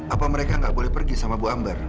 apa mereka nggak boleh pergi sama bu amber